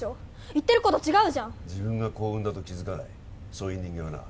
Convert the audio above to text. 言ってること違うじゃん自分が幸運だと気づかないそういう人間はな